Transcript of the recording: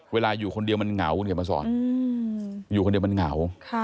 อยู่คนเดียวมันเหงาคุณเขียนมาสอนอยู่คนเดียวมันเหงา